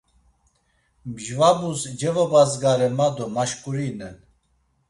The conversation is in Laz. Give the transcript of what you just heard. Mjvabus cevobazgare ma do maşǩurinen.